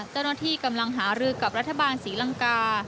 เจ้าหน้าที่กำลังหารือกับรัฐบาลศรีลังกา